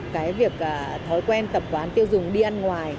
cái việc thói quen tập quán tiêu dùng đi ăn ngoài